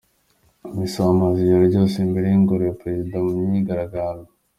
Misiri Bamaze ijoro ryose imbere y’ingoro ya perezida mu myigaragambyo